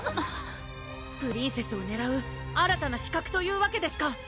プリンセスをねらう新たな刺客というわけですか！